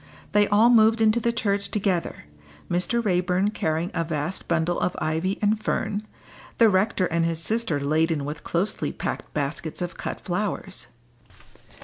They all moved into the church together, Mr. Raeburn carrying a vast bundle of ivy and fern, the rector and his sister laden with closely packed baskets of cut flowers.